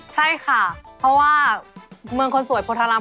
ใช่ค่ะเพราะว่าเมืองคนสวยโพธาราม